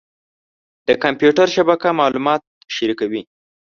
د کمپیوټر شبکه معلومات شریکوي.